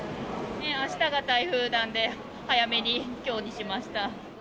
あしたが台風なんで、早めにきょうにしました。